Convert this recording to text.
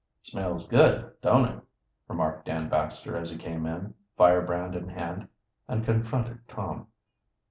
"Smells good, don't it?" remarked Dan Baxter, as he came in, fire brand in hand, and confronted Tom.